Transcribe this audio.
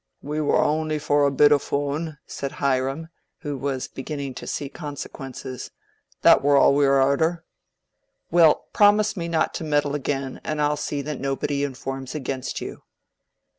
"We war on'y for a bit o' foon," said Hiram, who was beginning to see consequences. "That war all we war arter." "Well, promise me not to meddle again, and I'll see that nobody informs against you."